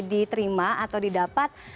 diterima atau didapat